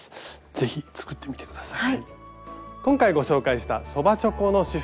是非作ってみて下さい。